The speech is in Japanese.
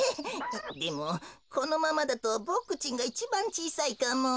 でもこのままだとボクちんがいちばんちいさいかも。